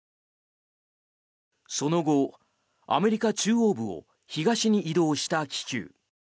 その後、アメリカ中央部を東に移動した気球。